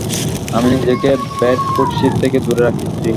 আমি নিজেকে বেডফোর্ডশির থেকে দুরে রেখেছি।